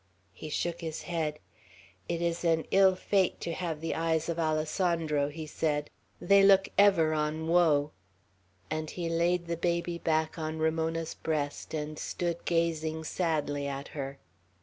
He shook his head. "It is an ill fate to have the eyes of Alessandro," he said. "They look ever on woe;" and he laid the baby back on Ramona's breast, and stood gazing sadly at her.